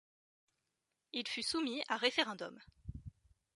Il fut soumis à référendum.